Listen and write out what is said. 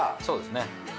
そうですね。